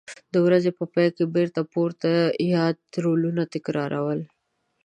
د ورځې په پای کې بېرته پورته یاد رولونه تکراروي.